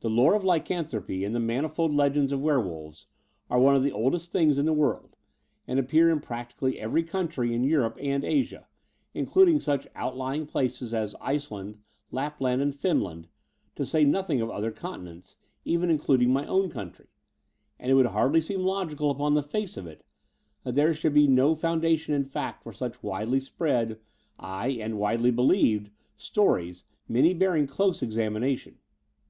"The lore of lycanthropy and the manifold legends of werewolves are one of the oldest things in the world, and appear in practically every country in Europe and Asia, including such out lying places as Iceland, Lapland, and Finland, to say nothing of other Continents, including even my own country; and it would hardly seem logi cal, upon the face of it, that there should be no foundation in fact for such widely spread — aye, and widely believed — stories, many bearing close examination.